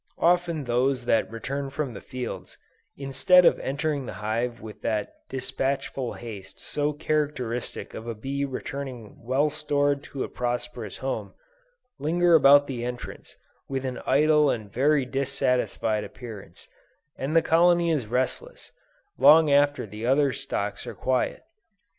Often those that return from the fields, instead of entering the hive with that dispatchful haste so characteristic of a bee returning well stored to a prosperous home, linger about the entrance with an idle and very dissatisfied appearance, and the colony is restless, long after the other stocks are quiet.